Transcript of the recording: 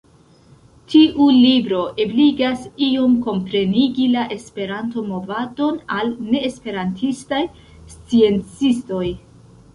Tiu libro ebligas iom komprenigi la Esperanto-movadon al neesperantistaj sciencistoj.